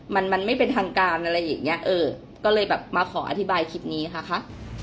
มันมันไม่เป็นทางการอะไรอย่างเงี้ยเออก็เลยแบบมาขออธิบายคลิปนี้ค่ะคะ